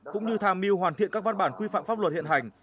cũng như tham mưu hoàn thiện các văn bản quy phạm pháp luật hiện hành